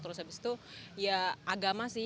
terus habis itu ya agama sih